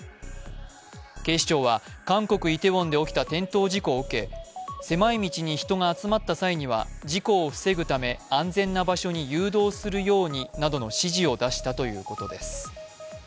警視庁は韓国イテウォンで起きた転倒事故を受け狭い道に人が集まった際には事故を防ぐため、安全な場所に誘導するようになどの指示を出したということです。